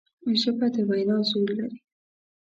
ژبه د وینا زور لري